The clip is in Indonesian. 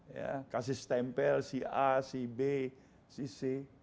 ya kasih stempel si a si b si c